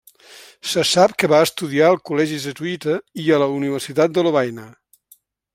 Se sap que va estudiar al col·legi jesuïta i a la Universitat de Lovaina.